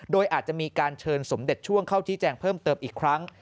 โดยอาจจะมีการเชิญสมเด็จช่วงเข้าชี้แจงเพิ่มเติมอีกครั้ง